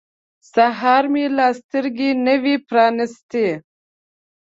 سهار مې لا سترګې نه وې پرانیستې.